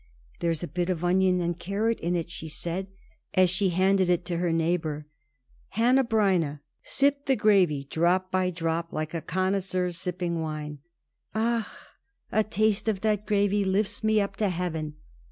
"There is a bit of onion and carrot in it," she said as she handed it to her neighbor. Hanneh Breineh sipped the gravy drop by drop, like a connoisseur sipping wine. "Ah h h! a taste of that gravy lifts me up to heaven!"